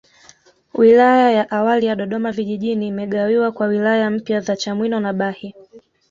Wilaya ya awali ya Dodoma Vijijini imegawiwa kwa wilaya mpya za Chamwino na Bahi